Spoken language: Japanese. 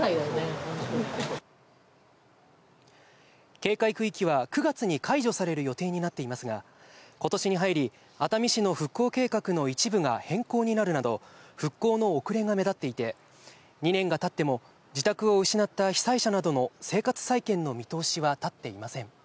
警戒区域は９月に解除される予定になっていますが、ことしに入り、熱海市の復興計画の一部が変更になるなど、復興の遅れが目立っていて、２年が経っても自宅を失った被災者などの生活再建の見通しは立っていません。